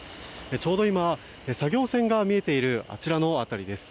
ちょうど今、作業船が見えているあちらの辺りです。